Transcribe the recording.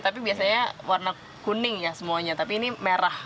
tapi biasanya warna kuning ya semuanya tapi ini merah